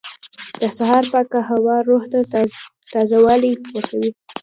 • د سهار پاکه هوا روح ته تازهوالی ورکوي.